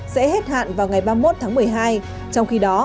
sẽ hết hạn vào ngày ba mươi một tháng một mươi hai trong khi đó